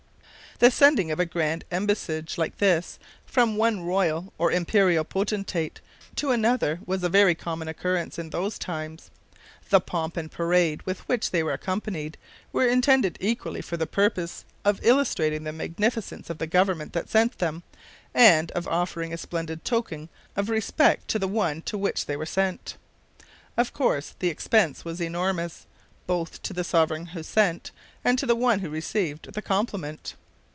The sending of a grand embassage like this from one royal or imperial potentate to another was a very common occurrence in those times. The pomp and parade with which they were accompanied were intended equally for the purpose of illustrating the magnificence of the government that sent them, and of offering a splendid token of respect to the one to which they were sent. Of course, the expense was enormous, both to the sovereign who sent and to the one who received the compliment.